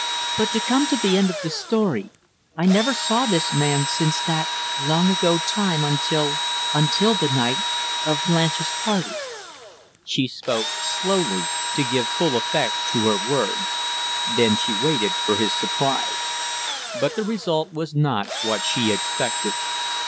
"But to come to the end of the story, I never saw this man since that long ago time, until until the night of Blanche's party!" She spoke slowly, to give full effect to her words; then she waited for his surprise. But the result was not what she expected.